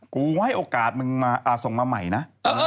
กูให้โอกาสมึงมาส่งมาใหม่นะ